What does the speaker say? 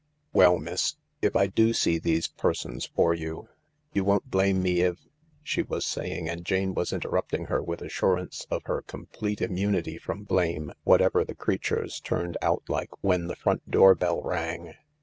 " Well, miss, if I do see these persons for you, you won't 208 THE LARK blame me i f " she was saying, and Jane was interrupting her with assurances of her complete immunity from blame whatever the creatures turned out like, when the front door bell rang.